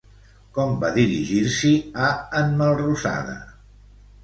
Com va dirigir-s'hi a en Melrosada?